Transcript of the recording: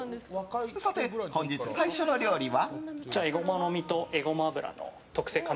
さて、本日最初の料理は。